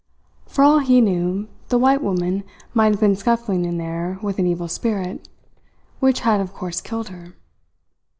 For all he knew, the white woman might have been scuffling in there with an evil spirit, which had of course killed her.